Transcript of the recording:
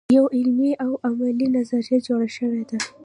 یوه علمي او عملي نظریه جوړه شوې ده.